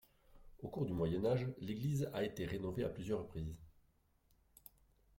Au cours du Moyen Âge, l'église a été rénovée à plusieurs reprises.